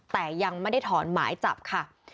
แต่ยังไม่ได้ถอนหมายจับค่ะ